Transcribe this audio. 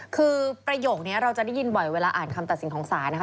คือประโยคนี้เราจะได้ยินบ่อยเวลาอ่านคำตัดสินของศาลนะคะ